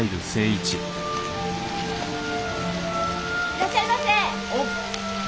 ・いらっしゃいませ。